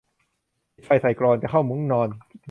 ปิดไฟใส่กลอน จะเข้ามุ้งนอน